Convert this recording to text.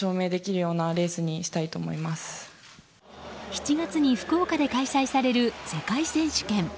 ７月に福岡で開催される世界選手権。